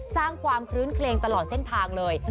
สร้างความคลื้นเคลงตลอดเส้นทางเลย